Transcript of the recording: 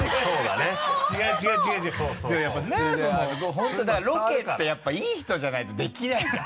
本当だからロケってやっぱいい人じゃないとできないじゃん